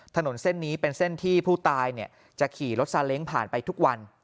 ถนนเส้นนี้เป็นเส้นที่ผู้ตายจะขี่รถซาเล้งผ่านไปทุกวัน